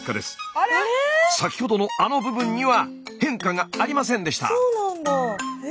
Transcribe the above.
あれ⁉先ほどのあの部分には変化がありませんでした。